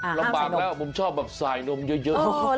ร่ำบากแล้วผมชอบกับใส่นมเยอะ